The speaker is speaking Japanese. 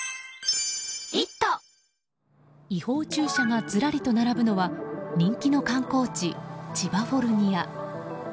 違法駐車がずらりと並ぶのは人気の観光地、千葉フォルニア。